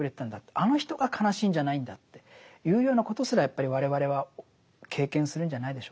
あの人が悲しいんじゃないんだっていうようなことすらやっぱり我々は経験するんじゃないでしょうか。